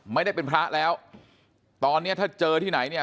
ไม่ได้เป็นพระแล้วตอนนี้ถ้าเจอที่ไหนเนี่ย